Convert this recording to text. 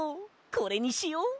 これにしよ！